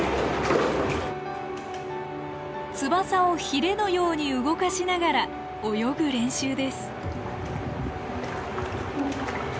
翼をヒレのように動かしながら泳ぐ練習です。